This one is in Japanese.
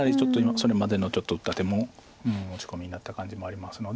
それまでの打った手も持ち込みになった感じもありますので。